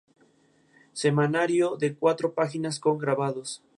Semanario de cuatro páginas, con grabados.